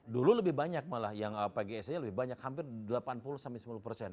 dulu lebih banyak malah yang pgsd lebih banyak hampir delapan puluh sembilan puluh persen